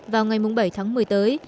vào ngày bảy tháng một mươi tới